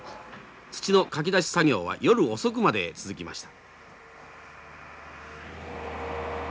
土のかき出し作業は夜遅くまで続きました。